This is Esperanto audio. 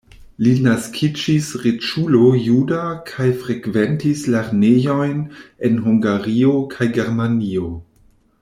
Li naskiĝis riĉulo juda kaj frekventis lernejojn en Hungario kaj Germanio.